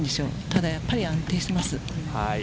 ただ、やっぱり安定しています。